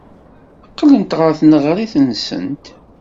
Qqlent ɣer tneɣrit-nsent.